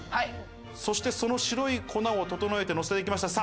そして、その白い粉を整えてのせていきました。